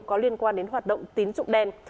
có liên quan đến hoạt động tín trụng đen